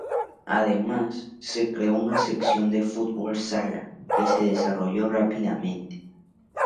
Además, se creó un sección de fútbol-sala que se desarrolló rápidamente.